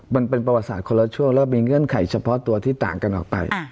มันเป็นประวัติศาสตร์คนละช่วงแล้วมีเงื่อนไขเฉพาะตัวที่ต่างกันออกไป